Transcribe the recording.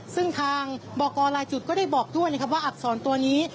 ซึ่งทางบรจุดก็ได้บอกด้วยว่าอักษรตัวนี้